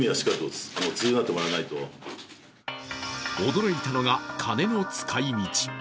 驚いたのが金の使い道。